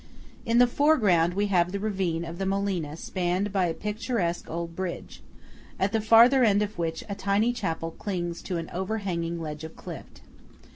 In the foreground we have the ravine of the Molina spanned by a picturesque old bridge, at the farther end of which a tiny chapel clings to an overhanging ledge of cliff.